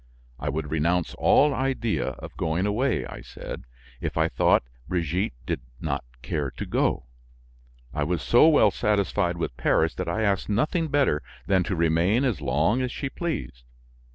I would renounce all idea of going away, I said, if I thought Brigitte did not care to go; I was so well satisfied with Paris that I asked nothing better than to remain as long as she pleased.